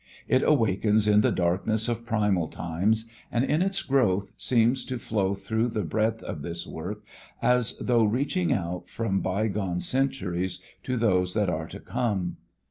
It awakens in the darkness of primal times and in its growth seems to flow through the breadth of this work as though reaching out from by gone centuries to those that are to come.